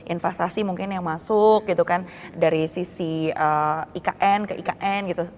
investasi mungkin yang masuk gitu kan dari sisi ikn ke ikn gitu